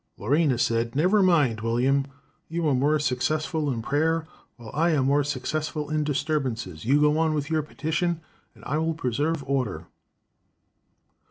"Lorena said: 'Never mind, William. You are more successful in prayer, while I am more successful in disturbances. You go on with your petition, and I will preserve order."